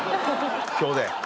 今日で。